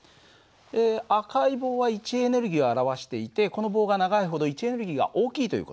赤い棒は位置エネルギーを表していてこの棒が長いほど位置エネルギーが大きいという事。